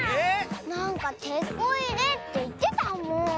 なんかテコいれっていってたもん。